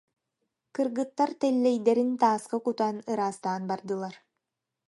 Кыргыттар тэллэйдэрин тааска кутан ыраастаан бардылар